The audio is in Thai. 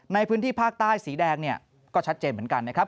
ในพื้นที่ภาคใต้สีแดงเนี่ยก็ชัดเจนเหมือนกันนะครับ